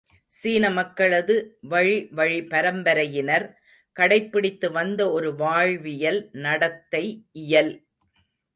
சீன மக்களது வழி வழி பரம்பரையினர் கடைப்பிடித்து வந்த ஒரு வாழ்வியல் நடத்தை இயல்!